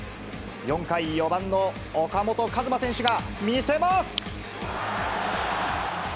４回、４番の岡本和真選手が見せます。